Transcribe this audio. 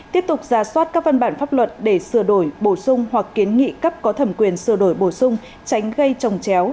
tiếp tục ra soát các văn bản pháp luật để sửa đổi bổ sung hoặc kiến nghị cấp có thẩm quyền sửa đổi bổ sung tránh gây trồng chéo